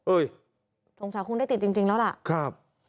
เออทรงชาโค้งได้ติดจริงแล้วล่ะครับ